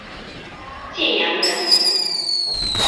建阳人。